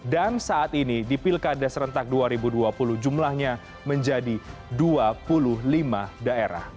dan saat ini di pilkada serentak dua ribu dua puluh jumlahnya menjadi dua puluh lima daerah